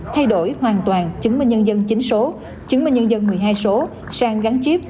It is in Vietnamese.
thay đổi hoàn toàn chứng minh nhân dân chính số chứng minh nhân dân một mươi hai số sang gắn chip